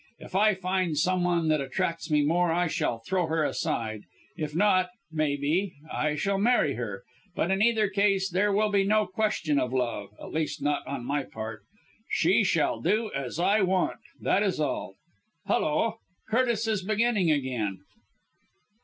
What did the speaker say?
If I find some one that attracts me more, I shall throw her aside if not, maybe, I shall marry her but in either case there will be no question of love at least not on my part. She shall do as I want that is all! Hulloa! Curtis is beginning again."